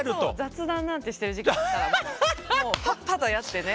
雑談なんてしてる時間あったらもうパッパとやってね。